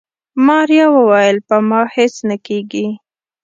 ماريا وويل په ما هيڅ نه کيږي.